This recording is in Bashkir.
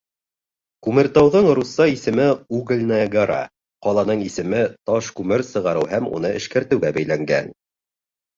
Күмертауҙың русса исеме «Угольная гора». Ҡаланың исеме таш күмер сығарыу һәм уны эшкәртеүгә бәйләнгән.